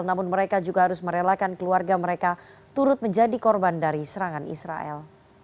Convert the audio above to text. namun mereka juga harus merelakan keluarga mereka turut menjadi korban dari serangan israel